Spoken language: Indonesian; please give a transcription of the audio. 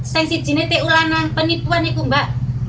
sanksi genetik ulangan penipuan itu mbak